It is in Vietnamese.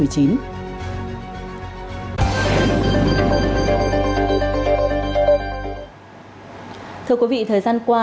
thưa quý vị thời gian qua